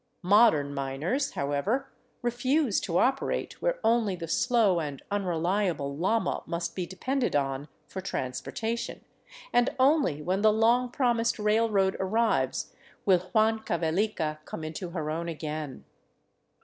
Modern miners, however, refuse to operate where only the slow and unreliable llama must be depended on for transportation, and only when the long promised railroad arrives, will Huancavelica come into her own again.